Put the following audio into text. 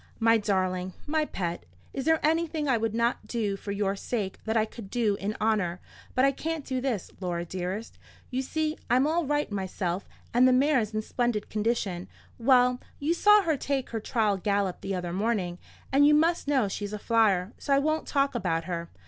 "My darling, my pet, is there anything I would not do for your sake that I could do in honour? But I can't do this, Laura dearest. You see I'm all right myself, and the mare's in splendid condition;—well, you saw her take her trial gallop the other morning, and you must know she's a flyer, so I won't talk about her.